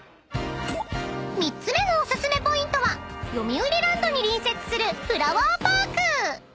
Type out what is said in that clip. ［３つ目のお薦めポイントはよみうりランドに隣接する］